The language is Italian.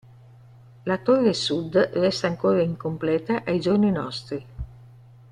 La torre sud resta ancora incompleta ai giorni nostri.